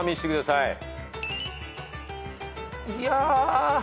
いや。